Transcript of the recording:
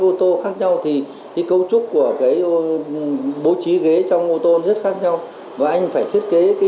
ô tô khác nhau thì cái cấu trúc của cái bố trí ghế trong ô tô rất khác nhau và anh phải thiết kế cái